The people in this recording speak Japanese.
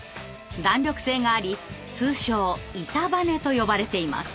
弾力性があり通称「板バネ」と呼ばれています。